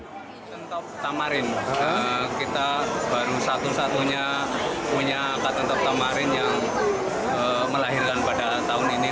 kita top tamarin kita baru satu satunya punya kata top tamarin yang melahirkan pada tahun ini